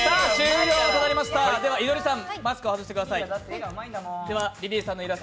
いのりさんマスクを外してください。